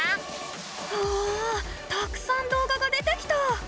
うわたくさん動画が出てきた！